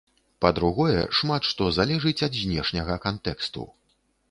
Па-другое, шмат што залежыць ад знешняга кантэксту.